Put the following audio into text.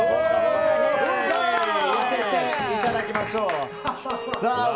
当てていただきましょう。